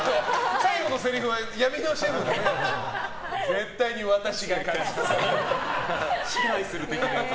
最後のせりふは闇のシェフのやつ。